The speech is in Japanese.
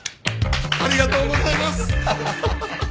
ありがとうございます。